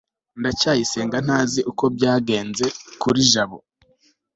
ndacyayisenga ntazi uko byagenze kuri jabo